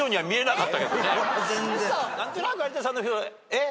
えっ？